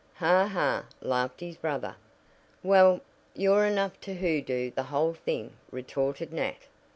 "Ha! ha!" laughed his brother. "Well, you're enough to hoodoo the whole thing," retorted Nat.